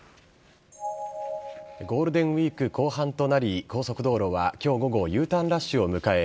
ゴールデンウイーク後半となり高速道路は今日午後Ｕターンラッシュを迎え